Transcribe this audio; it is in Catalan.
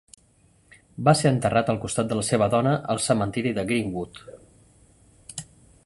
Va ser enterrat al costat de la seva dona al cementiri de Greenwood.